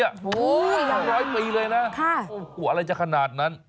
ร้อยปีเลยนะโอ้โหอะไรจะขนาดนั้น